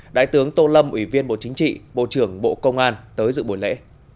đại tướng tô lâm ủy viên bộ chính trị bộ trưởng bộ công an tới dự buổi lễ